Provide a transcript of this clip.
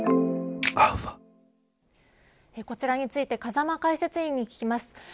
こちらについて風間解説委員に聞きます。